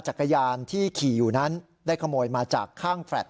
จักรยานที่ขี่อยู่นั้นได้ขโมยมาจากข้างแฟลต